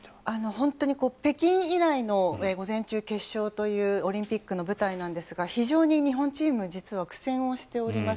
本当に北京以来の午前中決勝というオリンピックの舞台なんですが非常に日本チームは実は苦戦しております。